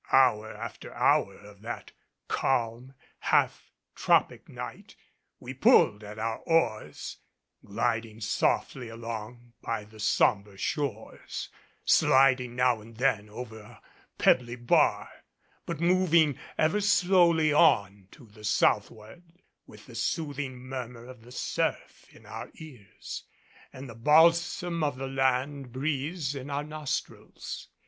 Hour after hour of that calm, half tropic night we pulled at our oars, gliding softly along by the sombre shores, sliding now and then over a pebbly bar, but moving ever slowly on to the southward, with the soothing murmur of the surf in our ears, and the balsam of the land breeze in our nostrils.